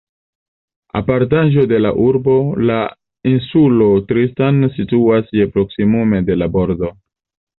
Apartaĵo de la urbo, la insulo Tristan situas je proksimume de la bordo.